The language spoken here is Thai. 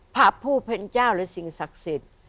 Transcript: พระผู้เป็นเจ้าหรือสิ่งศักดิ์สิทธิ์